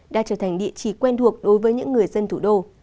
đã trở thành địa chỉ quen thuộc đối với những người dân thủ đô